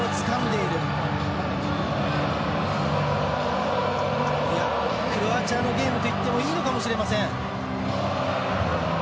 いや、クロアチアのゲームといってもいいのかもしれません。